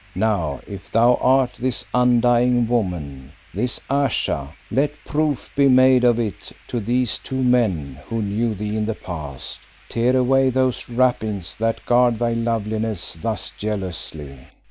Now if thou art this undying woman, this Ayesha, let proof be made of it to these two men who knew thee in the past. Tear away those wrappings that guard thy loveliness thus jealously.